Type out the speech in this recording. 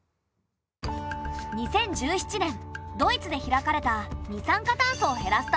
２０１７年ドイツで開かれた二酸化炭素を減らすための国際会議。